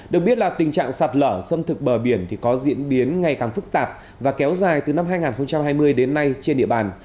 được biết là tình trạng sạt lở xâm thực bờ biển có diễn biến ngày càng phức tạp và kéo dài từ năm hai nghìn hai mươi đến nay trên địa bàn